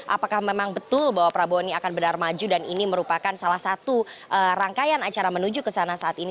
apakah memang betul bahwa prabowo ini akan benar maju dan ini merupakan salah satu rangkaian acara menuju ke sana saat ini